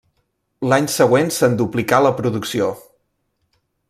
L'any següent se'n duplicà la producció.